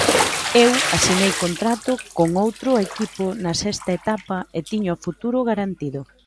Eu asinei contrato con outro equipo na sexta etapa e tiña o futuro garantido.